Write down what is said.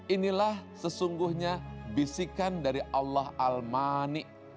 inilah sesungguhnya bisikan dari allah al manik